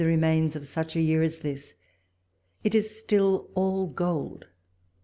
7X remains of such a year as this? It is still all gold.